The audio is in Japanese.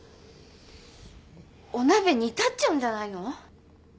お鍋煮立っちゃうんじゃないの？